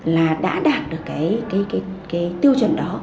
là đã đạt được tiêu chuẩn đó